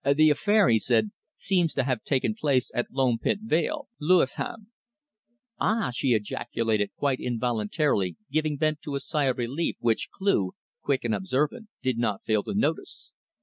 "The affair," he said, "seems to have taken place in Loampit Vale, Lewisham." "Ah!" she ejaculated, quite involuntarily giving vent to a sigh of relief which Cleugh, quick and observant, did not fail to notice.